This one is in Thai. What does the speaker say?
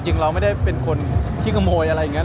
เราไม่ได้เป็นคนที่ขโมยอะไรอย่างนี้